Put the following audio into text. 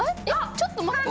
ちょっと待って。